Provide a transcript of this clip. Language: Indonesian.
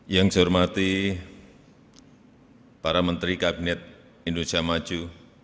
yang saya hormati para menteri kabinet indonesia maju